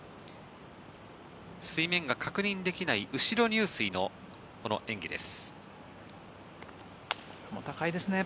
水面が確認できない後ろ入水の演技です。